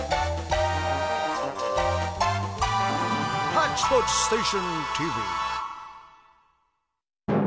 「ハッチポッチステーションＴＶ」。